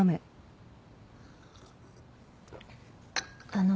あの。